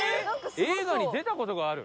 映画に出た事がある？